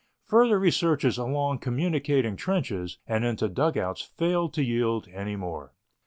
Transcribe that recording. Further researches along communicating trenches and into dugouts failed to yield any more.